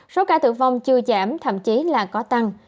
số ca tử vong chưa giảm thậm chí là có tăng